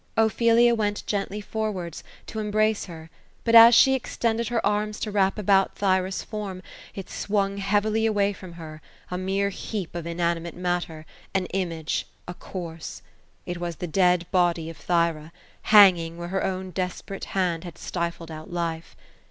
Ophelia went gently forwards, to embrace her ; but as she extended her arms to wrap them about Thy ra's form, it swung heavily away from her. a mere heap of inanimate matter — an image, — a corse ! It was the dead body of Thyra, hanging, where her own dsperate hand had stifled out life.